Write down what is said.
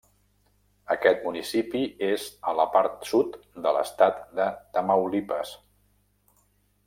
Aquest municipi és a la part sud de l'estat de Tamaulipas.